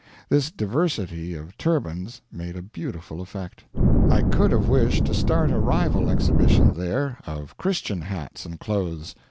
This diversity of turbans made a beautiful effect. I could have wished to start a rival exhibition there, of Christian hats and clothes.